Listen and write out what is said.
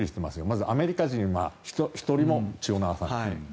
まず、アメリカ人は１人も血を流さない。